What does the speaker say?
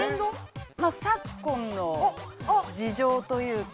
昨今の事情というか。